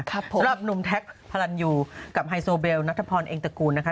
สำหรับหนุ่มแท็กพระรันยูกับไฮโซเบลนัทพรเองตระกูลนะคะ